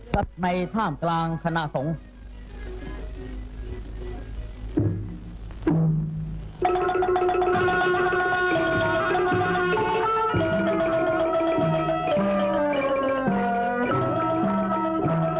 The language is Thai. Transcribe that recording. มันมันมันมันมันมันมันมัน